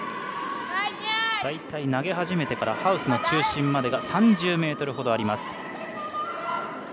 だいたい、投げ始めてからハウスの中心までが３０ｍほどあります。